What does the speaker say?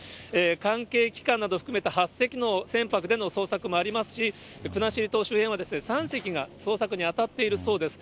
関係機関など含めた８隻の船舶での捜索もありますし、国後島周辺は３隻が捜索に当たっているそうです。